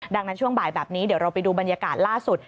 ดังนั้นช่วงบ่ายแบบนี้เดี๋ยวเราไปดูบรรยากาศล่าสุด